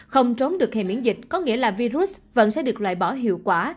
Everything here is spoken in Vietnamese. không trốn được hệ miễn dịch có nghĩa là virus vẫn sẽ được loại bỏ hiệu quả